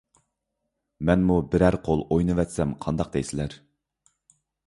مەنمۇ بىرەر قول ئوينىۋەتسەم قانداق دەيسىلەر!